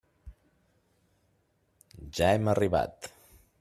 Ja hem arribat.